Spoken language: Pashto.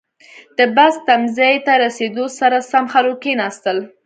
• د بس تمځي ته رسېدو سره سم، خلکو کښېناستل.